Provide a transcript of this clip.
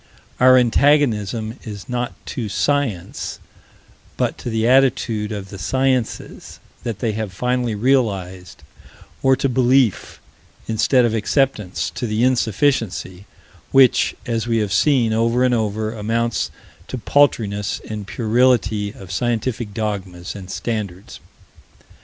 Our antagonism is not to Science, but to the attitude of the sciences that they have finally realized; or to belief, instead of acceptance; to the insufficiency, which, as we have seen over and over, amounts to paltriness and puerility of scientific dogmas and standards.